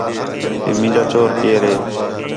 کہ مینجا چور کیئر ہے